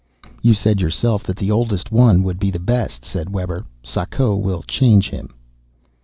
"You said yourself that the oldest one would be the best," said Webber. "Sako will change him."